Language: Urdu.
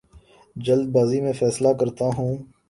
جلد بازی میں فیصلے کرتا ہوں